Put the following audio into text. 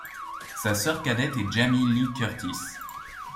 Sa sœur cadette est Jamie Lee Curtis.